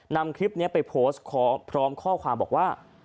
นำคลิปนี้ไปโพสต์พร้อมข้อความบอกว่า